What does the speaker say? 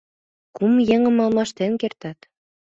Кум еҥым алмаштен кертат.